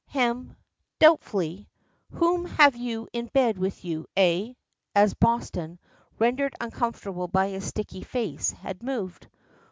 "Hem," doubtfully. "Whom have you in bed with you eh?" as Boston, rendered uncomfortable by his sticky face, had moved.